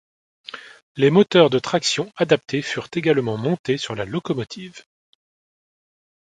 Les moteurs de traction adaptés furent également montés sur la locomotive.